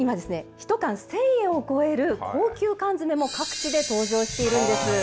１缶１０００円を超える高級缶詰も各地で登場しているんです。